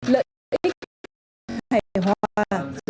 lợi ích hài hòa